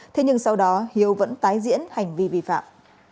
thế nhưng sau đó hiếu vẫn tái diễn hành vi vi phạm